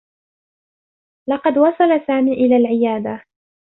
لقد وصل سامي إلى العيادة.